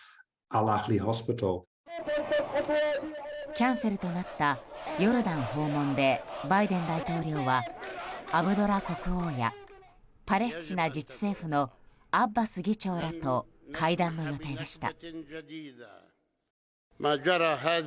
キャンセルとなったヨルダン訪問でバイデン大統領はアブドラ国王やパレスチナ自治政府のアッバス議長らと会談の予定でした。